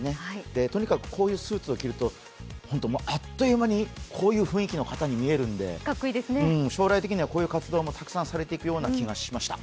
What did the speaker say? とにかくこういうスーツを着るとあっという間にこういう雰囲気の方に見えるので将来的にはこういう活動もたくさんされていくような気がしました。